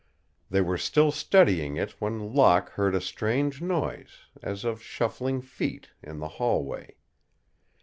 They were still studying it when Locke heard a strange noise, as of shuffling feet, in the hallway.